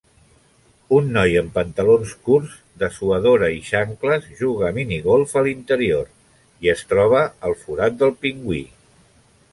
Un noi en pantalons curts, dessuadora i xancles juga a minigolf a l'interior i es troba al forat del pingüí